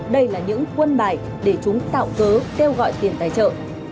đây là những quân bài để chúng tạo cớ kêu gọi tiền tài trợ